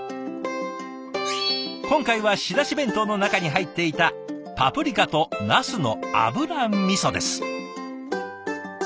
今回は仕出し弁当の中に入っていた「パプリカとなすの油みそ」です。